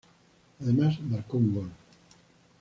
Además marcó un gol.